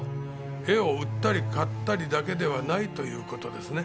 絵を売ったり買ったりだけではないという事ですね。